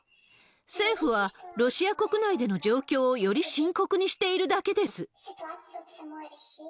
政府はロシア国内での状況をより深刻にしているだけです。